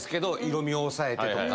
色みを抑えてとか。